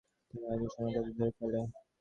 কিন্তু রাজার সৈন্যরা তাদের ধরে ফেলে।